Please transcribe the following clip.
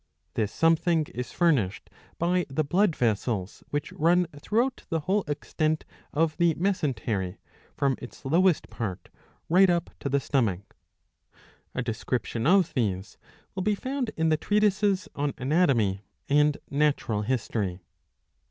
This something is furnished by the blood vessels,^^ which run throughout the whole extent of the mesentery from its lowest part right up to the stomach. A description of these will be found in the treatises on Anatomy and Natural History.